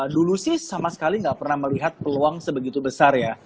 dulu sih sama sekali nggak pernah melihat peluang sebegitu besar ya